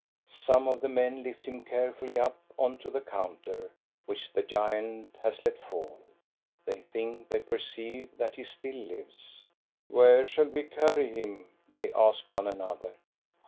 Some of the men lift him carefully up on to the counter which the giant has let fall. They think they perceive that he still lives. " Where shall we carry him ?" they ask one another.